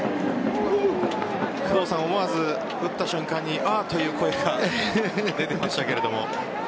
工藤さん、思わず打った瞬間にああという声が出ていましたが。